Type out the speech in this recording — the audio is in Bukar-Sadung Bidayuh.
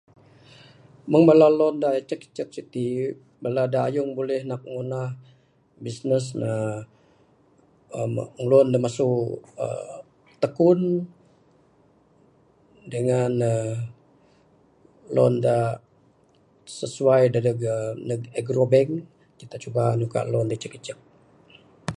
Meng bala loan da icek icek siti bala dayung nak buleh ngunah bisnes ne, uhh loan ne masu takun dangan uhh loan da sesuai uhh dadeg agro bank, kita Cuba muka loan icek icek